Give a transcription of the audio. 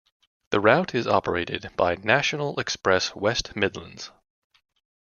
The route is operated by National Express West Midlands.